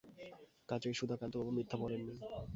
কাজেই সুধাকান্তবাবু মিথ্যা বলেন নি।